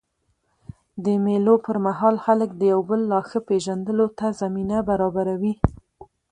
د مېلو پر مهال خلک د یو بل لا ښه پېژندلو ته زمینه برابروي.